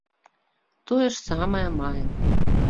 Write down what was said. Тое ж самае маем.